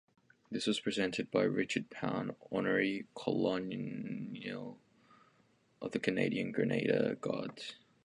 This was presented by Richard Pound, Honorary Colonel of the Canadian Grenadier Guards.